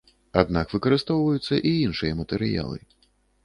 Аднак выкарыстоўваюцца і іншыя матэрыялы.